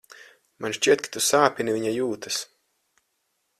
Man šķiet, ka tu sāpini viņa jūtas.